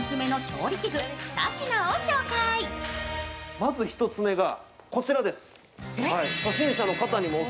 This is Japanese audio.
まず１つ目がこちらです。